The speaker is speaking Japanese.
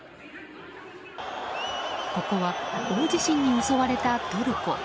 ここは、大地震に襲われたトルコ。